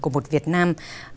của một việt nam